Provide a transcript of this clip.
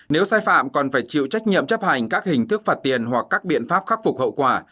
nếu sai phạm còn phải chịu trách nhiệm chấp hành các hình thức phạt tiền hoặc các biện pháp khắc phục hậu quả